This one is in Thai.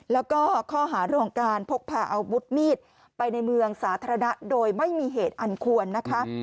แล้วก็ข้อหาเรื่องของการพกพาอาวุธมีดไปในเมืองสาธารณะโดยไม่มีเหตุอันควรนะคะ